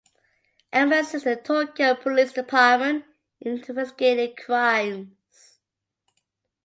Emma assist the Tokyo police department in investigating crimes.